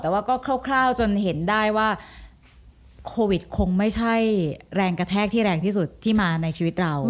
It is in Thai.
แต่ว่าก็คร่าวจนเห็นได้ว่าโควิดคงไม่ใช่แรงกระแทกที่แรงที่สุดที่มาในชีวิตเรา